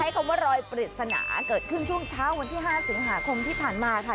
คำว่ารอยปริศนาเกิดขึ้นช่วงเช้าวันที่๕สิงหาคมที่ผ่านมาค่ะ